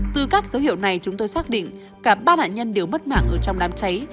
từ các dấu hiệu này chúng tôi xác định cả ba nạn nhân đều mất mạng ở trong đám cháy